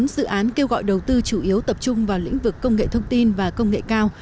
bốn dự án kêu gọi đầu tư chủ yếu tập trung vào lĩnh vực công nghệ thông tin và công nghệ cao